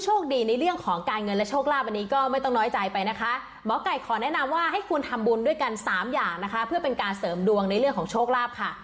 หมอไก่ขอแนะนำว่าให้คุณทำบุญด้วยกัน๓อย่างนะคะเพื่อเป็นการเสริมดวงในเรื่องของโชคลาบค่ะ